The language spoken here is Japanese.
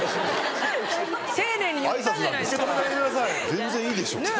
全然いいでしょ。